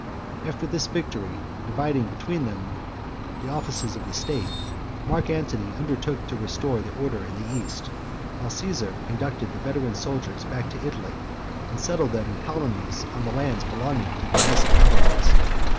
After this victory, dividing between them the offices of the state, Mark Antony undertook to restore order in the east, while Caesar conducted the veteran soldiers back to Italy, and settled them in colonies on the lands belonging to the municipalities.